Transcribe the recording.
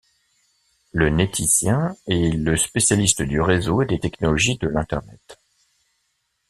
Le neticien est le spécialiste du réseaux et des technologies de l'internet.